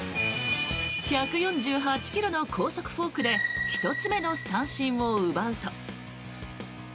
１４８ｋｍの高速フォークで１つ目の三振を奪うと。